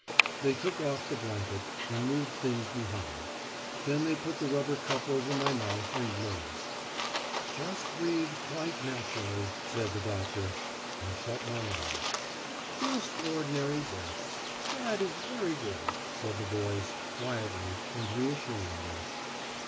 They took off the blanket, and moved things behind. Then they put the rubber cup over my mouth and nose. "Just breathe quite naturally," said the doctor. I shut my eyes. "Just ordinary breaths. That is very good," said the voice, quietly and reassuringly.